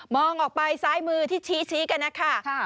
ออกไปซ้ายมือที่ชี้กันนะคะ